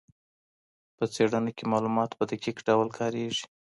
په څېړنه کي معلومات په دقیق ډول کاریږي.